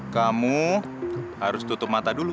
kamu harus tutup mata dulu